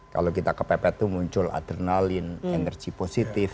kalau kita ke pepet itu muncul adrenalin energi positif